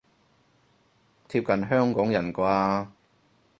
貼近香港人啩